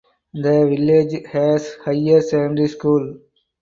The village has higher secondary school